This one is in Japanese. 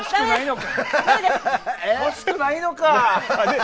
欲しくないのか。